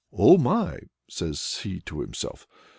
"O my!" says he to himself.